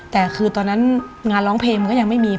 แต่คือตอนนั้นงานร้องเพลงมันก็ยังไม่มี